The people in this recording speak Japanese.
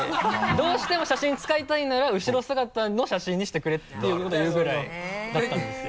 「どうしても写真使いたいなら後ろ姿の写真にしてくれ」っていうことを言うぐらいだったんですよ。